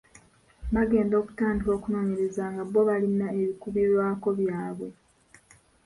Bagenda okutandika okunoonyereza nga bbo balina ebikubirwako byabwe.